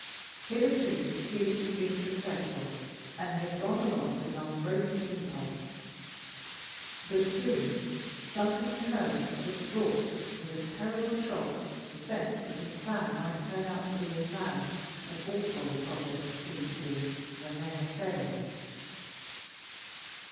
Hitherto Felix had been successful, and he had gone along with an unbroken impulse. But soon something occurred which brought with a terrible shock the sense that his plan might turn out to be as mad as all bold projects are seen to be when they have failed.